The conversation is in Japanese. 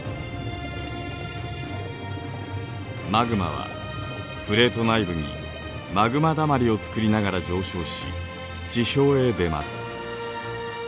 マグマはプレート内部にマグマだまりをつくりながら上昇し地表へ出ます。